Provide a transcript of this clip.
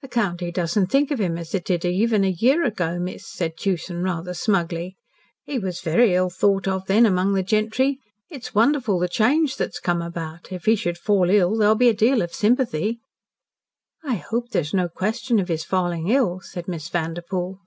"The county doesn't think of him as it did even a year ago, miss," said Tewson rather smugly. "He was very ill thought of then among the gentry. It's wonderful the change that's come about. If he should fall ill there'll be a deal of sympathy." "I hope there is no question of his falling ill," said Miss Vanderpoel.